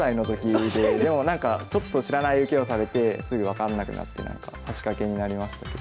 でもなんかちょっと知らない受けをされてすぐ分かんなくなって指し掛けになりましたけど。